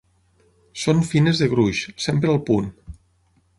Són fines de gruix, sempre al punt.